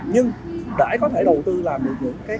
nhưng để có thể đầu tư làm được những clip hay